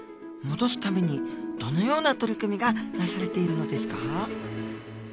戻すためにどのような取り組みがなされているのですか？